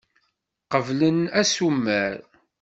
Qeblen asumer.